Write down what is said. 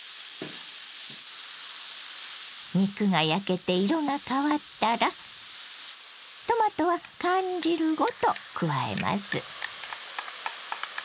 肉が焼けて色が変わったらトマトは缶汁ごと加えます。